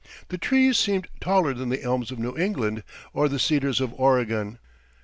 The trees seemed taller than the elms of New England or the cedars of Oregon.